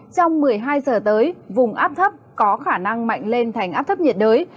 trong một mươi hai giờ tới vùng áp thấp có khả năng mạnh lên thành áp thấp nhiệt đới